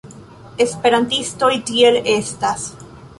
Esperantistoj tiel estas.